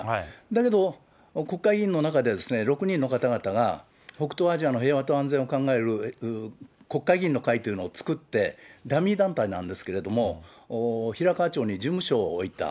だけど、国会議員の中で、６人の方々が北東アジアの平和と安全を考える国会議員の会というのを作って、ダミー団体なんですけれども、平河町に事務所を置いた。